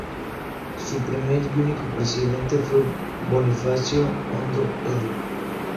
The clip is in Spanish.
Su primer y único presidente fue Bonifacio Ondó Edu.